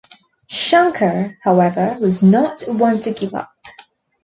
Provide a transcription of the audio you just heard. Shankara, however, was not one to give up.